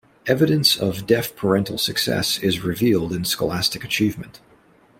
Evidence of deaf parental success is revealed in scholastic achievement.